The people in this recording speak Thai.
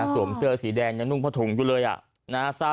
สวมเกลือสีแดงยังนุ่งพะถุงจู่เลยอะ